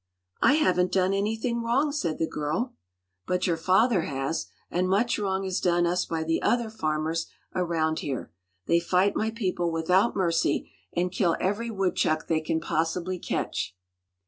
"I haven't done anything wrong," said the girl. "But your father has, and much wrong is done us by the other farmers around here. They fight my people without mercy, and kill every woodchuck they can possibly catch."